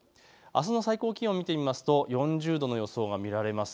あすの最高気温を見ていきますと４０度の予想が見られます。